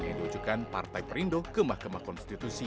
yang diajukan partai perindo ke mahkamah konstitusi